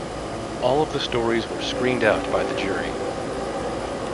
All of the stories were screened out by the jury.